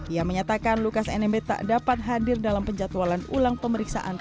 ia menyatakan lukas nmb tak dapat hadir dalam penjatualan ulang pemeriksaan